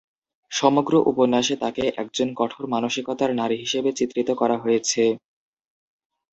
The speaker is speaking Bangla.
সমগ্র উপন্যাসে তাকে একজন কঠোর মানসিকতার নারী হিসেবে চিত্রিত করা হয়েছে।